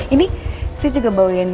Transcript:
ini saya juga bau kek coklat kesukaan dia